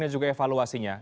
dan juga evaluasinya